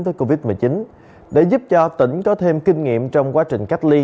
tới covid một mươi chín để giúp cho tỉnh có thêm kinh nghiệm trong quá trình cách ly